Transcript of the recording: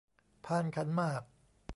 พานขันหมาก